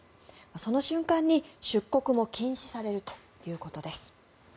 その瞬間に出国も禁止されるということです。